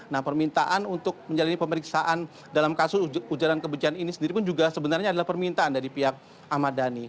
nah permintaan untuk menjalani pemeriksaan dalam kasus ujaran kebencian ini sendiri pun juga sebenarnya adalah permintaan dari pihak ahmad dhani